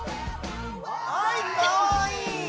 はいかわいい！